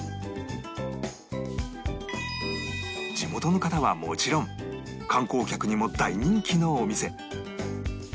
地元の方はもちろん観光客にも大人気のお店